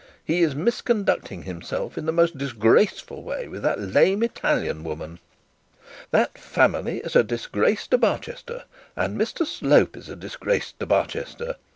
He is misconducting himself in the most disgraceful way with that lame Italian woman. That family is a disgrace to Barchester, and Mr Slope is a disgrace to Barchester!